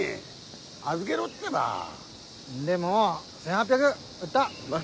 んでもう１，８００売ったぁ！